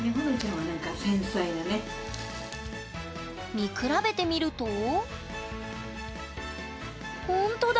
見比べてみるとほんとだ！